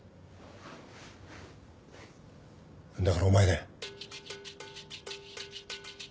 だからお前だよ。